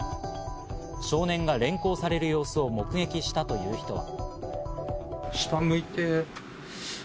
少年が連行される様子を目撃したという人は。